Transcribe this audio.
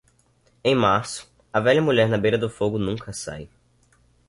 Em março, a velha mulher na beira do fogo nunca sai.